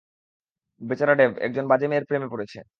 বেচারা ডেভ, একজন বাজে মেয়ের প্রেমে পড়েছে।